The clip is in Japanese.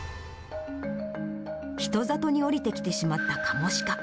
人里に下りてきてしまったカモシカ。